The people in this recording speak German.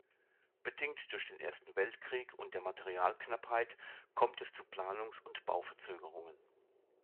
Bedingt durch den Ersten Weltkrieg und der Materialknappheit kommt es zu Planungs- und Bauverzögerungen.